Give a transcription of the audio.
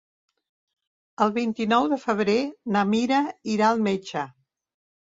El vint-i-nou de febrer na Mira irà al metge.